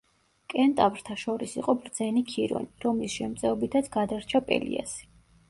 კენტავრთა შორის იყო ბრძენი ქირონი, რომლის შემწეობითაც გადარჩა პელიასი.